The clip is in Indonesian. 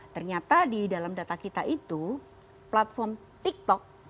ternyata di dalam data kita itu platform tiktok